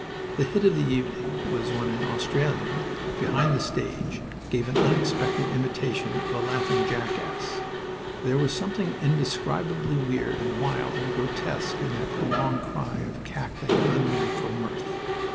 The hit of the evening was when an Australian behind the stage gave an unexpected imitation of a laughing jackass. There was something indescribably weird and wild and grotesque in that prolonged cry of cackling, unnatural mirth.